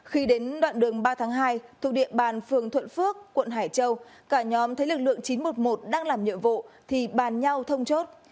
khi đến đoạn đường ba tháng hai thuộc địa bàn phường thuận phước quận hải châu cả nhóm thấy lực lượng chín trăm một mươi một đang làm nhiệm vụ thì bàn nhau thông chốt